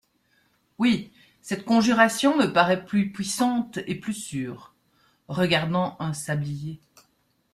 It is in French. Oui ! cette conjuration me parait plus puissante et plus sûre. — Regardant un sablier .